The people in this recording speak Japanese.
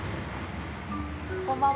こんばんは。